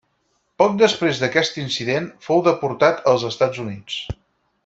Poc després d'aquest incident, fou deportat als Estats Units.